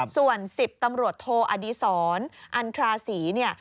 ส่วนสิบตำรวจโทอดีศรอันทราศรี